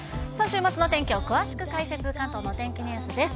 週末の天気を詳しく解説、関東のお天気ニュースです。